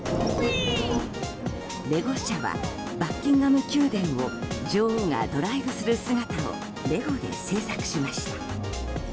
レゴ社はバッキンガム宮殿を女王がドライブする姿をレゴで制作しました。